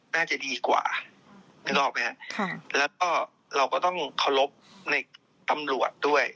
น่าจะดีกว่าแล้วก็เราก็ต้องเคารพในตำรวจด้วย